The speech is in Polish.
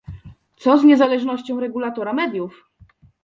Co z niezależnością regulatora mediów?